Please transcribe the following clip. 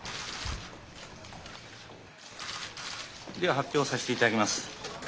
では発表させて頂きます。